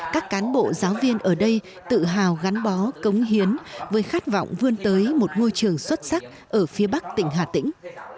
các cán bộ giáo viên ở đây tự hào gắn bó cống hiến với khát vọng vươn tới một ngôi trường xuất sắc ở phía bắc tỉnh hà tĩnh